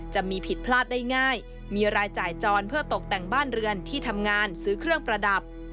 จะมีผิดพลาดได้ง่ายมีรายจ่ายจรเพื่อตกแต่งบ้านเรือนที่ทำงานซื้อเครื่องประดับ